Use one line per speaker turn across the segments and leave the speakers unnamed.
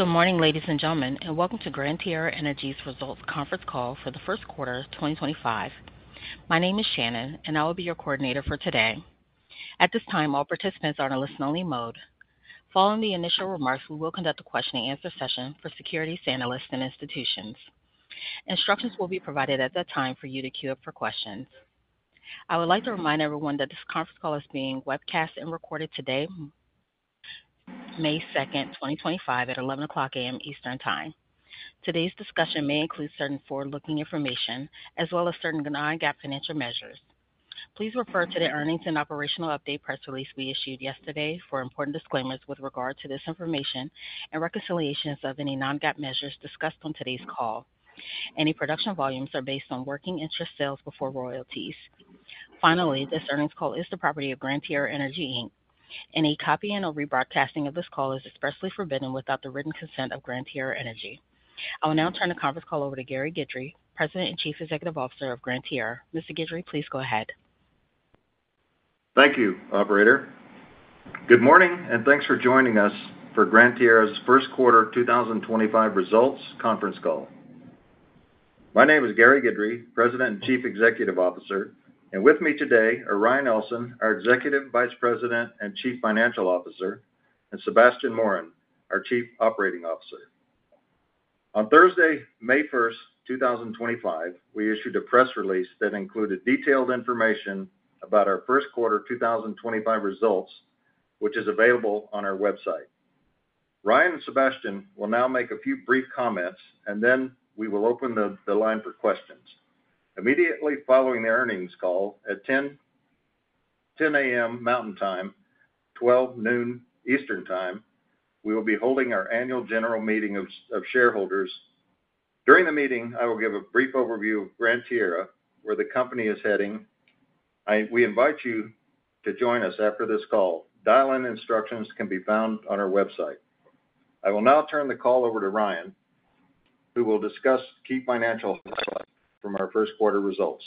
Good morning, ladies and gentlemen, and Welcome To Gran Tierra Energy's Results Conference Call For The First Quarter Of 2025. My name is Shannon, and I will be your coordinator for today. At this time, all participants are in a listen-only mode. Following the initial remarks, we will conduct a question-and-answer session for security analysts and institutions. Instructions will be provided at that time for you to queue up for questions. I would like to remind everyone that this conference call is being webcast and recorded today, May 2nd, 2025, at 11:00 A.M. Eastern Time. Today's discussion may include certain forward-looking information as well as certain non-GAAP financial measures. Please refer to the earnings and operational update press release we issued yesterday for important disclaimers with regard to this information and reconciliations of any non-GAAP measures discussed on today's call. Any production volumes are based on working-interest sales before royalties. Finally, this earnings call is the property of Gran Tierra Energy. Any copying or rebroadcasting of this call is expressly forbidden without the written consent of Gran Tierra Energy. I will now turn the conference call over to Gary Guidry, President and Chief Executive Officer of Gran Tierra. Mr. Guidry, please go ahead.
Thank you, Operator. Good morning, and thanks for joining us for Gran Tierra's first quarter 2025 results conference call. My name is Gary Guidry, President and Chief Executive Officer, and with me today are Ryan Ellson, our Executive Vice President and Chief Financial Officer, and Sebastien Morin, our Chief Operating Officer. On Thursday, May 1st, 2025, we issued a press release that included detailed information about our first quarter 2025 results, which is available on our website. Ryan and Sebastien will now make a few brief comments, and then we will open the line for questions. Immediately following the earnings call at 10:00 A.M. Mountain Time, 12:00 noon Eastern Time, we will be holding our annual general meeting of shareholders. During the meeting, I will give a brief overview of Gran Tierra, where the company is heading. We invite you to join us after this call. Dial-in instructions can be found on our website. I will now turn the call over to Ryan, who will discuss key financial highlights from our first quarter results.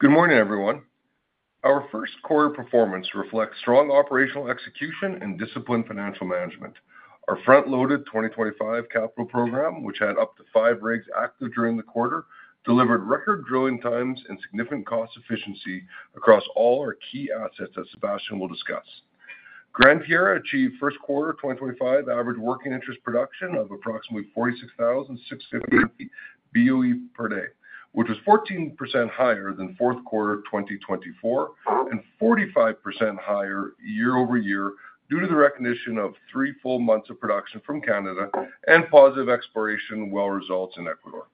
Good morning, everyone. Our first quarter performance reflects strong operational execution and disciplined financial management. Our front-loaded 2025 capital program, which had up to five rigs active during the quarter, delivered record drilling times and significant cost efficiency across all our key assets that Sebastien will discuss. Gran Tierra achieved first quarter 2025 average working-interest production of approximately 46,650 boe/day, which was 14% higher than fourth quarter 2024 and 45% higher year over year due to the recognition of three full months of production from Canada and positive exploration well results in Ecuador.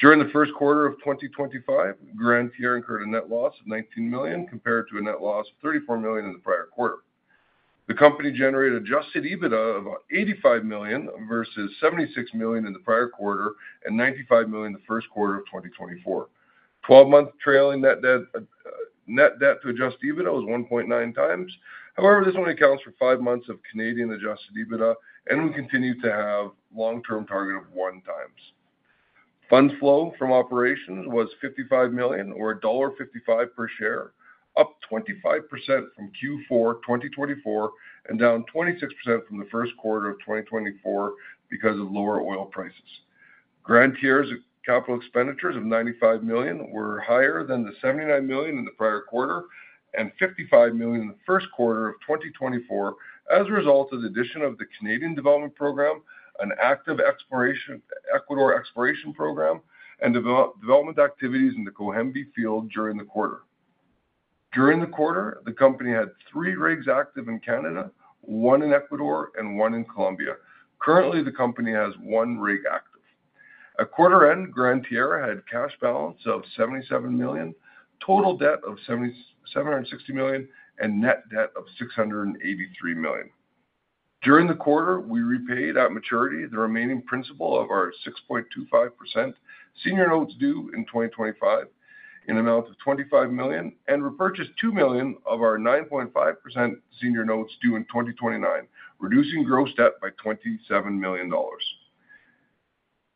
During the first quarter of 2025, Gran Tierra incurred a net loss of $19 million compared to a net loss of $34 million in the prior quarter. The company generated adjusted EBITDA of $85 million versus $76 million in the prior quarter and $95 million in the first quarter of 2024. Twelve-month trailing net debt to adjusted EBITDA was 1.9 times. However, this only accounts for five months of Canadian adjusted EBITDA and will continue to have a long-term target of one times. Funds flow from operations was $55 million, or $1.55 per share, up 25% from Q4 2024 and down 26% from the first quarter of 2024 because of lower oil prices. Gran Tierra's capital expenditures of $95 million were higher than the $79 million in the prior quarter and $55 million in the first quarter of 2024 as a result of the addition of the Canadian Development Program, an active Ecuador exploration program, and development activities in the Cohembi field during the quarter. During the quarter, the company had three rigs active in Canada, one in Ecuador, and one in Colombia. Currently, the company has one rig active. At quarter end, Gran Tierra had a cash balance of $77 million, total debt of $760 million, and net debt of $683 million. During the quarter, we repaid at maturity the remaining principal of our 6.25% senior notes due in 2025 in the amount of $25 million and repurchased $2 million of our 9.5% senior notes due in 2029, reducing gross debt by $27 million.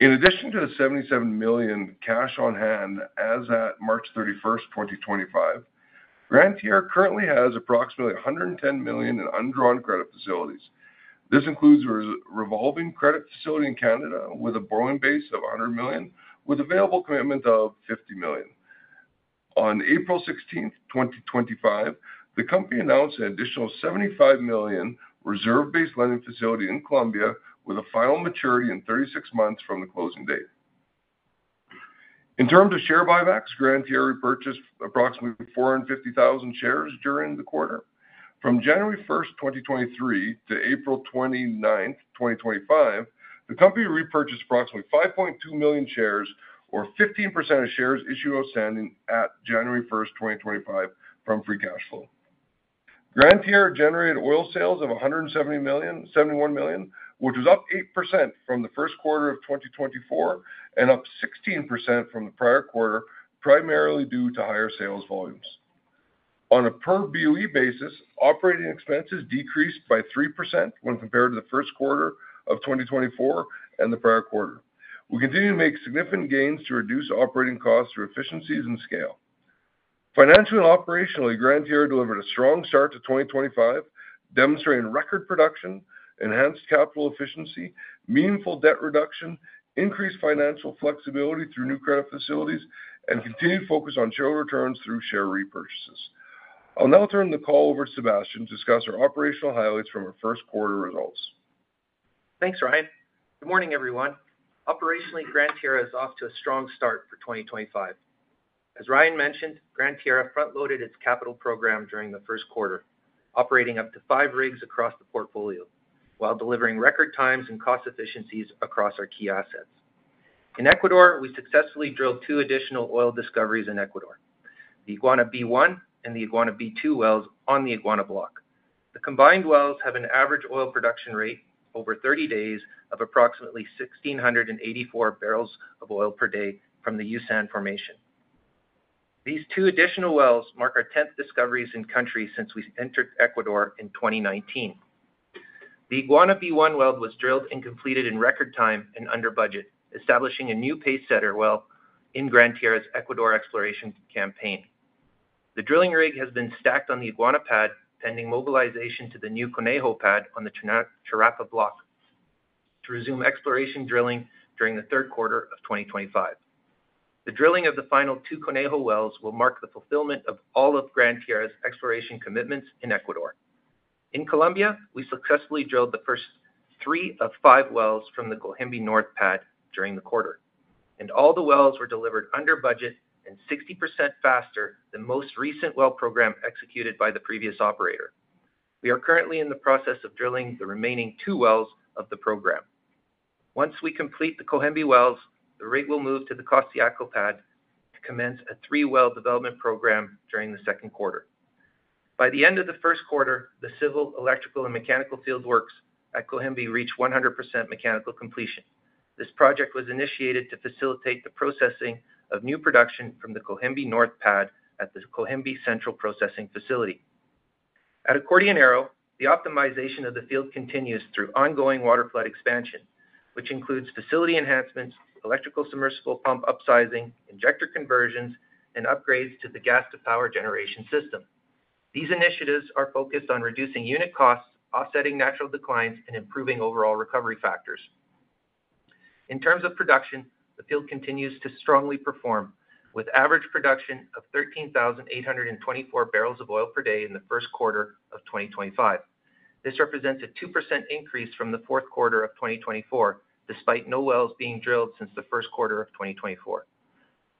In addition to the $77 million cash on hand as at March 31, 2025, Gran Tierra currently has approximately $110 million in undrawn credit facilities. This includes a revolving credit facility in Canada with a borrowing base of 100 million, with available commitment of 50 million. On April 16, 2025, the company announced an additional $75 million reserve-based lending facility in Colombia with a final maturity in 36 months from the closing date. In terms of share buybacks, Gran Tierra repurchased approximately 450,000 shares during the quarter. From January 1, 2023, to April 29, 2025, the company repurchased approximately 5.2 million shares, or 15% of shares issued outstanding at January 1, 2025, from Free Cash Flow. Gran Tierra generated oil sales of $171 million, which was up 8% from the first quarter of 2024 and up 16% from the prior quarter, primarily due to higher sales volumes. On a per boe basis, operating expenses decreased by 3% when compared to the first quarter of 2024 and the prior quarter. We continue to make significant gains to reduce operating costs through efficiencies and scale. Financially and operationally, Gran Tierra delivered a strong start to 2025, demonstrating record production, enhanced capital efficiency, meaningful debt reduction, increased financial flexibility through new credit facilities, and continued focus on shareholder returns through share repurchases. I'll now turn the call over to Sebastien to discuss our operational highlights from our first quarter results.
Thanks, Ryan. Good morning, everyone. Operationally, Gran Tierra is off to a strong start for 2025. As Ryan mentioned, Gran Tierra front-loaded its capital program during the first quarter, operating up to five rigs across the portfolio while delivering record times and cost efficiencies across our key assets. In Ecuador, we successfully drilled two additional oil discoveries in Ecuador, the Iguana B1 and the Iguana B2 wells on the Iguana block. The combined wells have an average oil production rate over 30 days of approximately 1,684 barrels of oil per day from the Yusen formation. These two additional wells mark our 10th discoveries in country since we entered Ecuador in 2019. The Iguana B1 well was drilled and completed in record time and under budget, establishing a new pacesetter well in Gran Tierra's Ecuador exploration campaign. The drilling rig has been stacked on the Iguana pad, pending mobilization to the new Conejo Pad on the Churrapa block to resume exploration drilling during the third quarter of 2025. The drilling of the final two Conejo wells will mark the fulfillment of all of Gran Tierra's exploration commitments in Ecuador. In Colombia, we successfully drilled the first three of five wells from the Cohembi North Pad during the quarter, and all the wells were delivered under budget and 60% faster than most recent well program executed by the previous operator. We are currently in the process of drilling the remaining two wells of the program. Once we complete the Cohembi wells, the rig will move to the Costayaco pad to commence a three-well development program during the second quarter. By the end of the first quarter, the civil, electrical, and mechanical fieldworks at Cohembi reached 100% mechanical completion. This project was initiated to facilitate the processing of new production from the Cohembi North pad at the Cohembi Central Processing Facility. At Acordionero, the optimization of the field continues through ongoing waterflood expansion, which includes facility enhancements, electrical submersible pump upsizing, injector conversions, and upgrades to the gas-to-power generation system. These initiatives are focused on reducing unit costs, offsetting natural declines, and improving overall recovery factors. In terms of production, the field continues to strongly perform, with average production of 13,824 barrels of oil per day in the first quarter of 2025. This represents a 2% increase from the fourth quarter of 2024, despite no wells being drilled since the first quarter of 2024.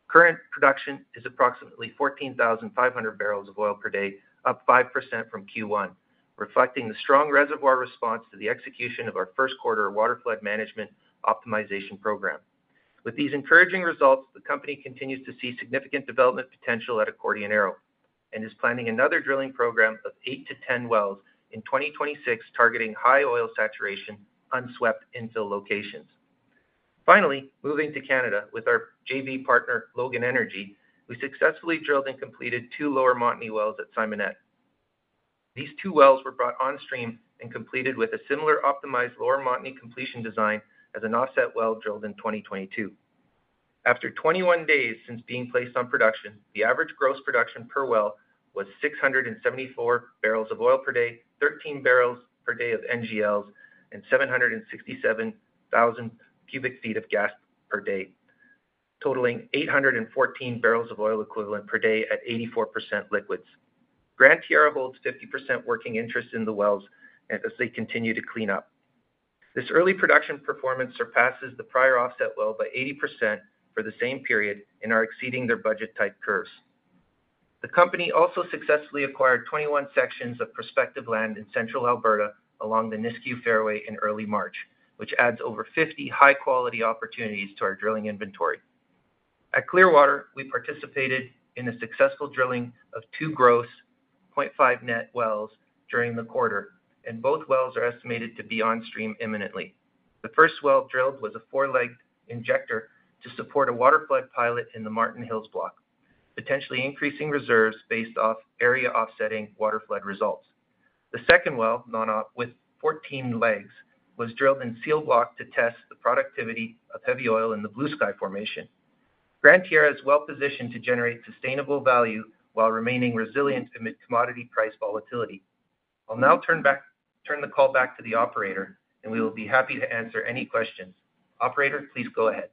Current production is approximately 14,500 barrels of oil per day, up 5% from Q1, reflecting the strong reservoir response to the execution of our first quarter water flood management optimization program. With these encouraging results, the company continues to see significant development potential at Acordionero and is planning another drilling program of 8-10 wells in 2026, targeting high oil saturation unswept infill locations. Finally, moving to Canada with our JV partner, Logan Energy, we successfully drilled and completed two Lower Montney wells at Simonette. These two wells were brought on stream and completed with a similar optimized Lower Montney completion design as an offset well drilled in 2022. After 21 days since being placed on production, the average gross production per well was 674 barrels of oil per day, 13 barrels per day of NGLs, and 767,000 cu ft of gas per day, totaling 814 barrels of oil equivalent per day at 84% liquids. Gran Tierra holds 50% working-interest in the wells as they continue to clean up. This early production performance surpasses the prior offset well by 80% for the same period and are exceeding their budget-tight curves. The company also successfully acquired 21 sections of prospective land in Central Alberta along the Nisku Fairway in early March, which adds over 50 high-quality opportunities to our drilling inventory. At Clearwater, we participated in a successful drilling of two gross 0.5 net wells during the quarter, and both wells are estimated to be on stream imminently. The first well drilled was a four-legged injector to support a waterflood pilot in the Martin Hills Block, potentially increasing reserves based off area offsetting waterflood results. The second well, with 14 legs, was drilled in Seal Block to test the productivity of heavy oil in the Blue Sky Formation. Gran Tierra is well positioned to generate sustainable value while remaining resilient amid commodity price volatility. I'll now turn the call back to the operator, and we will be happy to answer any questions. Operator, please go ahead.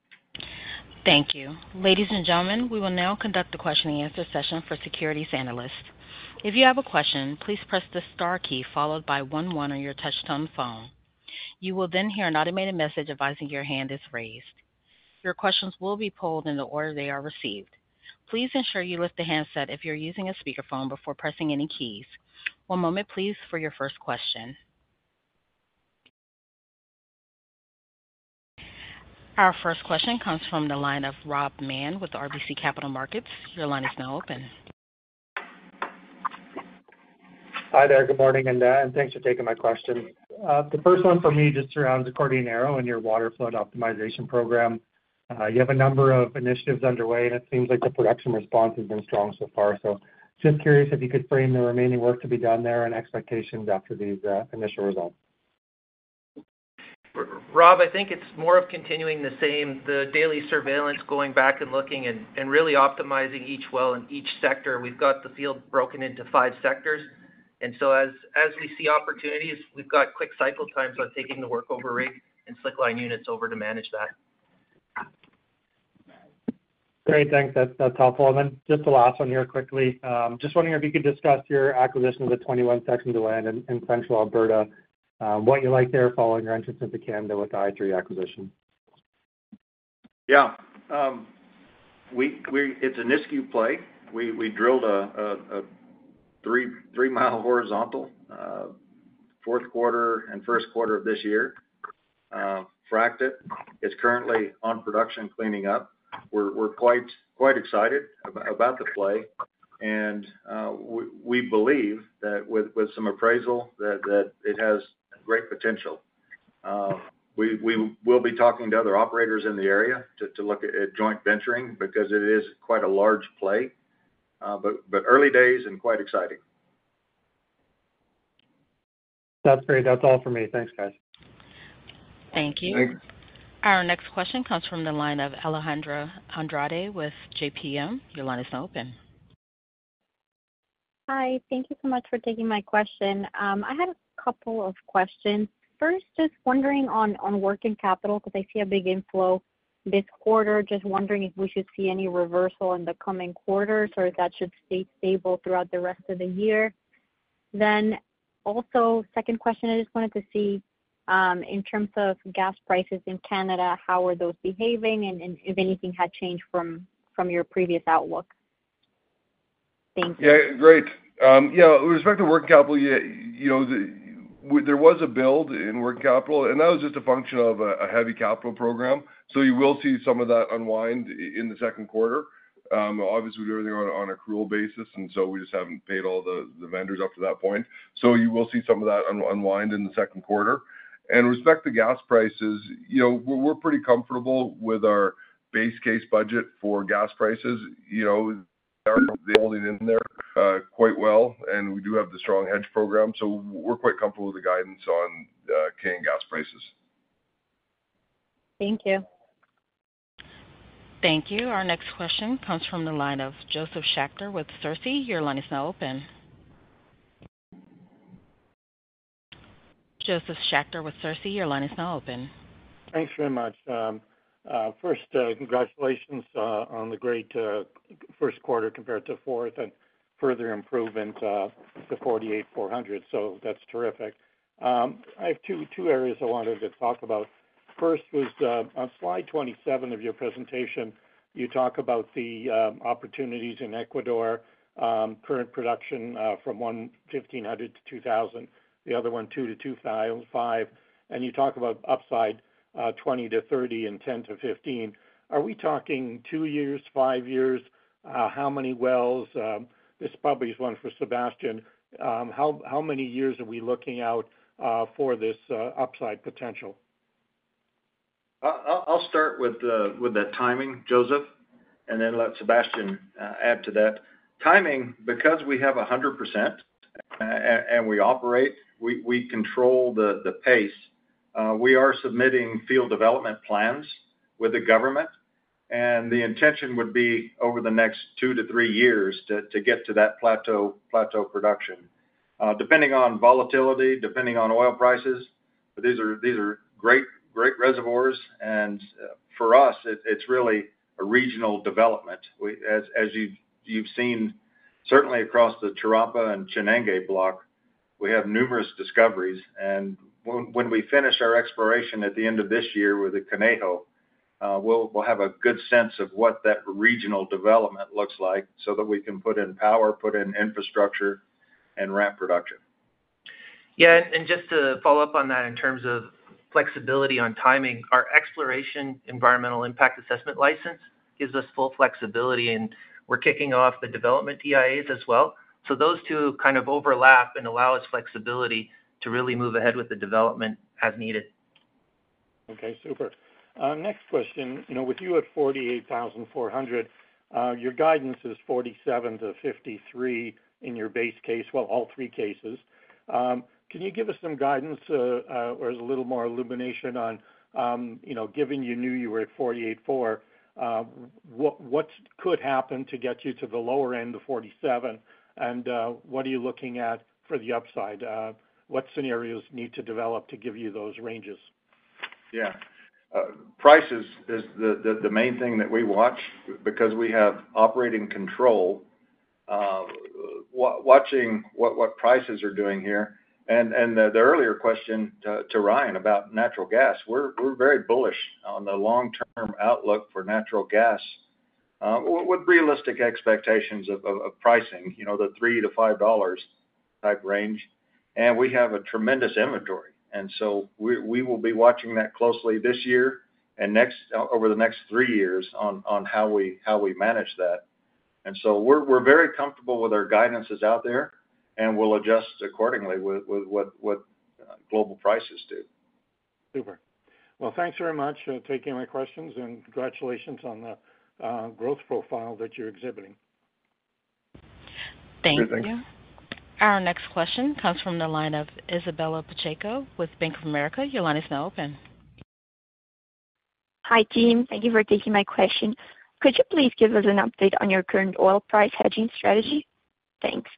Thank you. Ladies and gentlemen, we will now conduct the question-and-answer session for security standardists. If you have a question, please press the star key followed by 11 on your touch-tone phone. You will then hear an automated message advising your hand is raised. Your questions will be polled in the order they are received. Please ensure you lift the handset if you're using a speakerphone before pressing any keys. One moment, please, for your first question. Our first question comes from the line of Rob Mann with RBC Capital Markets. Your line is now open.
Hi there. Good morning, Indah. Thanks for taking my question. The first one for me just surrounds Acordionero and your waterflood optimization program. You have a number of initiatives underway, and it seems like the production response has been strong so far. Just curious if you could frame the remaining work to be done there and expectations after these initial results.
Rob, I think it's more of continuing the same, the daily surveillance, going back and looking and really optimizing each well in each sector. We've got the field broken into five sectors. As we see opportunities, we've got quick cycle times on taking the workover rig and slickline units over to manage that.
Great. Thanks. That's helpful. Just the last one here quickly. Just wondering if you could discuss your acquisition of the 21-section deal in Central Alberta, what you like there following your entrance into Canada with the i3 acquisition.
Yeah. It's a Nisku play. We drilled a 3-mile horizontal fourth quarter and first quarter of this year, fracked it. It's currently on production, cleaning up. We're quite excited about the play. We believe that with some appraisal, it has great potential. We will be talking to other operators in the area to look at joint venturing because it is quite a large play, but early days and quite exciting.
That's great. That's all for me. Thanks, guys.
Thank you.
Thank you.
Our next question comes from the line of Alejandra Andrade with JPMorgan. Your line is now open.
Hi. Thank you so much for taking my question. I had a couple of questions. First, just wondering on working capital because I see a big inflow this quarter. Just wondering if we should see any reversal in the coming quarters or if that should stay stable throughout the rest of the year. Then also, second question, I just wanted to see in terms of gas prices in Canada, how are those behaving and if anything had changed from your previous outlook. Thank you.
Yeah, great. Yeah, with respect to working capital, there was a build in working capital, and that was just a function of a heavy capital program. You will see some of that unwind in the second quarter. Obviously, we're doing everything on an accrual basis, and we just haven't paid all the vendors up to that point. You will see some of that unwind in the second quarter. With respect to gas prices, we're pretty comfortable with our base case budget for gas prices. They're holding in there quite well, and we do have the strong hedge program. We're quite comfortable with the guidance on cane gas prices.
Thank you.
Thank you. Our next question comes from the line of Joseph Schachter with Schachter. Your line is now open.
Thanks very much. First, congratulations on the great first quarter compared to fourth and further improvement to 48,400. That is terrific. I have two areas I wanted to talk about. First was on slide 27 of your presentation, you talk about the opportunities in Ecuador, current production from 1,500 to 2,000, the other one 2000 to 2,500, and you talk about upside 20-30 and 10-15. Are we talking two years, five years? How many wells? This probably is one for Sebastien. How many years are we looking out for this upside potential?
I'll start with that timing, Joseph, and then let Sebastien add to that. Timing, because we have 100% and we operate, we control the pace. We are submitting field development plans with the government, and the intention would be over the next two to three years to get to that plateau production, depending on volatility, depending on oil prices. These are great reservoirs. For us, it's really a regional development. As you've seen, certainly across the Churrapa and Iguana Block, we have numerous discoveries. When we finish our exploration at the end of this year with the Conejo, we'll have a good sense of what that regional development looks like so that we can put in power, put in infrastructure, and ramp production.
Yeah. Just to follow up on that in terms of flexibility on timing, our exploration environmental impact assessment license gives us full flexibility, and we're kicking off the development EIAs as well. Those two kind of overlap and allow us flexibility to really move ahead with the development as needed.
Okay. Super. Next question. With you at 48,400, your guidance is 47,000-53,000 in your base case, well, all three cases. Can you give us some guidance or a little more illumination on, given you knew you were at 48,400, what could happen to get you to the lower end of 47,000? And what are you looking at for the upside? What scenarios need to develop to give you those ranges?
Yeah. Price is the main thing that we watch because we have operating control, watching what prices are doing here. The earlier question to Ryan about natural gas, we're very bullish on the long-term outlook for natural gas with realistic expectations of pricing, the $3-$5 type range. We have a tremendous inventory. We will be watching that closely this year and over the next three years on how we manage that. We are very comfortable with our guidances out there, and we'll adjust accordingly with what global prices do.
Super. Thanks very much for taking my questions, and congratulations on the growth profile that you're exhibiting.
Thank you.
Thank you.
Our next question comes from the line of Isabella Pacheco with Bank of America. Your line is now open.
Hi, team. Thank you for taking my question. Could you please give us an update on your current oil price hedging strategy? Thanks.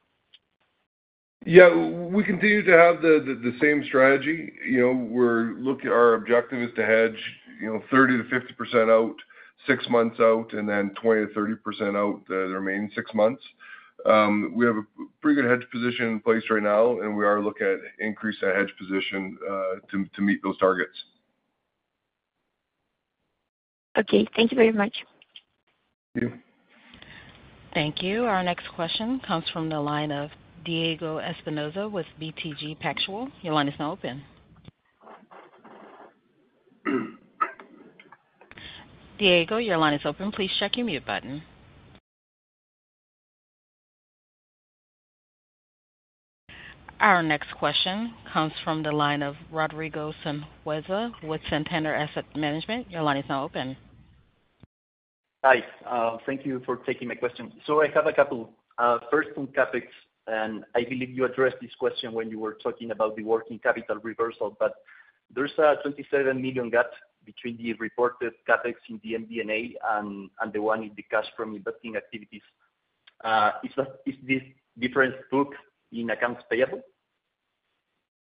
Yeah. We continue to have the same strategy. Our objective is to hedge 30%-50% out, six months out, and then 20%-30% out the remaining six months. We have a pretty good hedge position in place right now, and we are looking at increasing our hedge position to meet those targets.
Okay. Thank you very much.
Thank you.
Thank you. Our next question comes from the line of Diego Espinoza with BTG Pactual. Your line is now open. Diego, your line is open. Please check your mute button. Our next question comes from the line of Rodrigo Sanhueza with Santander Asset Management. Your line is now open.
Hi. Thank you for taking my question. I have a couple of first-time topics, and I believe you addressed this question when you were talking about the working capital reversal, but there's a $27 million gap between the reported CapEx in the MD&A and the one in the cash from investing activities. Is this difference booked in accounts payable?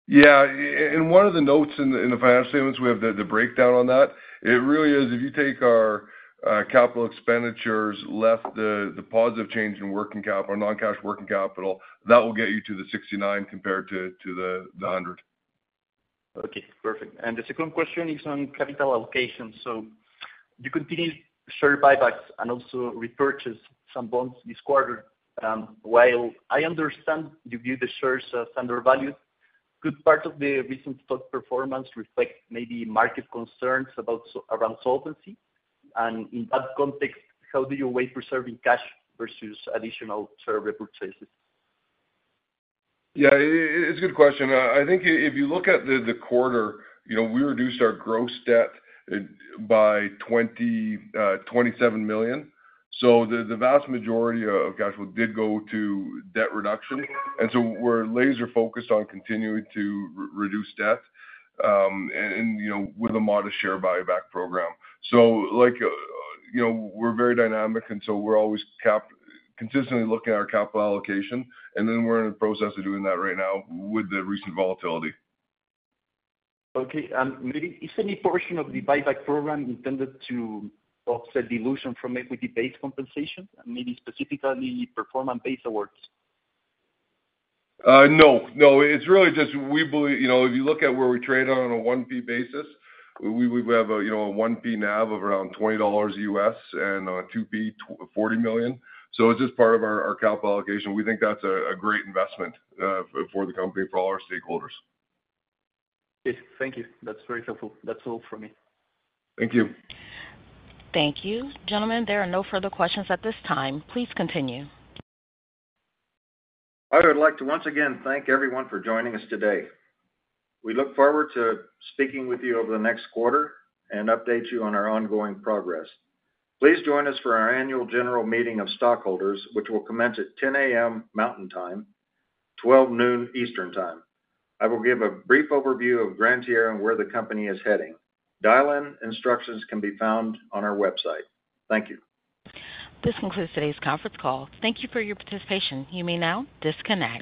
Yeah. In one of the notes in the financial statements, we have the breakdown on that. It really is, if you take our capital expenditures less the positive change in working capital, non-cash working capital, that will get you to the 69 compared to the 100.
Okay. Perfect. The second question is on capital allocation. You continue share buybacks and also repurchase some bonds this quarter. While I understand you view the shares as undervalued, could part of the recent stock performance reflect maybe market concerns around solvency? In that context, how do you weight preserving cash versus additional share repurchases?
Yeah. It's a good question. I think if you look at the quarter, we reduced our gross debt by $27 million. The vast majority of cash flow did go to debt reduction. We're laser-focused on continuing to reduce debt with a modest share buyback program. We're very dynamic, and we're always consistently looking at our capital allocation, and we're in the process of doing that right now with the recent volatility.
Okay. Maybe is any portion of the buyback program intended to offset dilution from equity-based compensation, maybe specifically performance-based awards?
No. No. It's really just we believe if you look at where we trade on a 1P basis, we have a 1P NAV of around $20 US and a 2P of $40 million. It's just part of our capital allocation. We think that's a great investment for the company, for all our stakeholders.
Okay. Thank you. That's very helpful. That's all from me.
Thank you.
Thank you. Gentlemen, there are no further questions at this time. Please continue.
I would like to once again thank everyone for joining us today. We look forward to speaking with you over the next quarter and update you on our ongoing progress. Please join us for our Annual General Meeting of Stockholders, which will commence at 10:00 A.M. Mountain Time, 12:00 noon Eastern Time. I will give a brief overview of Gran Tierra and where the company is heading. Dial-in instructions can be found on our website. Thank you.
This concludes today's conference call. Thank you for your participation. You may now disconnect.